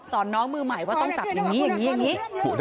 น้องมือใหม่ว่าต้องจับอย่างนี้อย่างนี้อย่างนี้